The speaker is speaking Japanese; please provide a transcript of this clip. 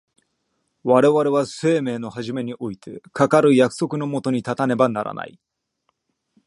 我々は生命の始めにおいてかかる約束の下に立たねばならない。